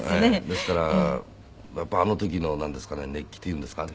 ですからやっぱりあの時のなんですかね熱気というんですか。